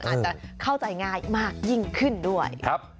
อาจจะเข้าใจง่ายมากยิ่งขึ้นด้วย